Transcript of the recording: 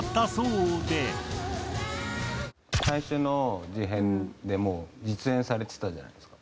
最初の事変でもう実演されてたじゃないですか。